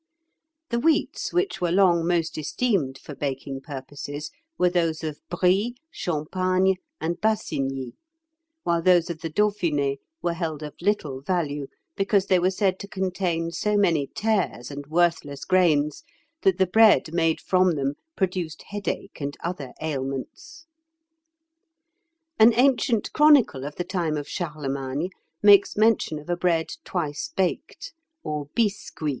The wheats which were long most esteemed for baking purposes, were those of Brie, Champagne, and Bassigny; while those of the Dauphiné were held of little value, because they were said to contain so many tares and worthless grains, that the bread made from them produced headache and other ailments. An ancient chronicle of the time of Charlemagne makes mention of a bread twice baked, or biscuit.